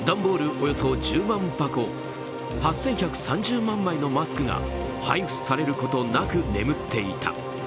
およそ１０万箱８１３０万枚のマスクが配布されることなく眠っていた。